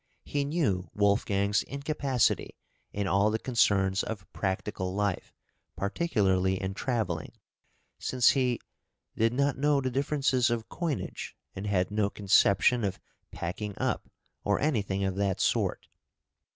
He knew Wolfgang's incapacity in all the concerns of practical life, particularly in travelling, since he "did not know the differences of coinage, and had no conception of packing up, or anything of that sort."